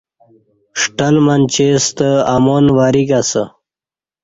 ݜٹلہ منچی ستہ امان وریک اسہ